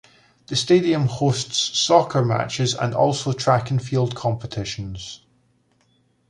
The stadium hosts soccer matches and also track and field competitions.